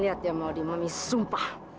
lihat dia mau di mami sumpah